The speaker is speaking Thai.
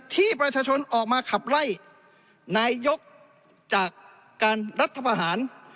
ที่ประชาชนออกมาขับไล่นายกจากการรัฐประหาร